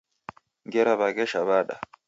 Ngera waghesha wada?